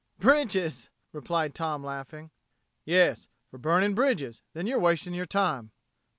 "Bridges," replied Tom, laughing. "Yes for burning bridges, then you're wasting your time."